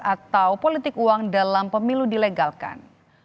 atau politik uang dalam pemilu dilegalkan